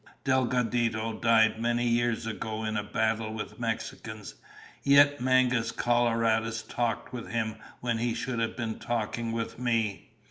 Delgadito died many years ago in a battle with Mexicans. Yet Mangus Coloradus talked with him when he should have been talking with me.